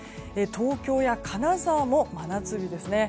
東京や金沢も真夏日ですね。